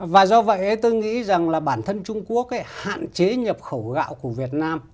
và do vậy tôi nghĩ rằng là bản thân trung quốc hạn chế nhập khẩu gạo của việt nam